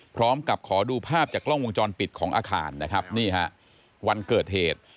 พร้อมกับขอดูภาพจากกล้องวงจรปิดของอาคารนะครับนี่ฮะวันเกิดเหตุ